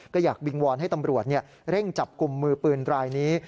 ก็อยากวิงวอนให้ตำรวจเร่งจับกลุ่มมือปืนรายนี้